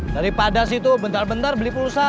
daripada sih tuh bentar bentar beli pulsa